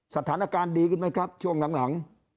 สถานการณ์ดีขึ้นไหมครับช่วงหลัง